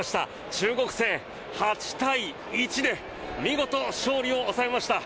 中国戦、８対１で見事勝利を収めました。